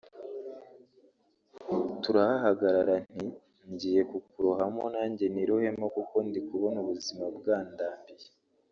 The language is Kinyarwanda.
turahahagarara nti ‘ngiye kukurohamo nanjye nirohemo kuko ndi kubona ubuzima bwandambiye